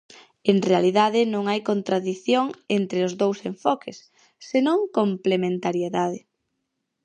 En realidade non hai contradición entre os dous enfoques, senón complementariedade.